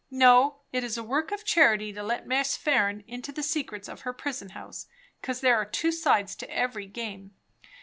No, it is a work of charity to let Miss Farren into the secrets of her prison house, 'cause there are two sides to every game.